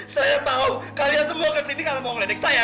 saya tau kalian semua kesini kalian mau ngeledek saya kan